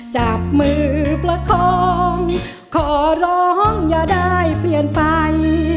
จับมือประคองขอร้องอย่าได้เปลี่ยนไป